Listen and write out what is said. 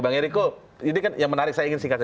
bang eriko ini kan yang menarik saya ingin singkat saja